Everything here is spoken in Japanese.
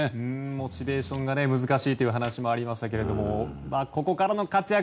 モチベーションが難しいという話もありましたけどここからの活躍。